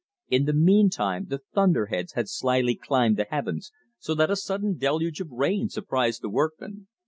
In the meantime the thunder heads had slyly climbed the heavens, so that a sudden deluge of rain surprised the workmen.